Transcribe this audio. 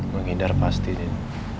menghindar pasti den